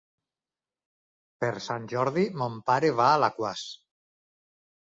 Per Sant Jordi mon pare va a Alaquàs.